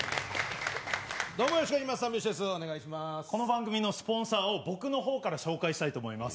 この番組のスポンサーを僕の方から紹介したいと思います。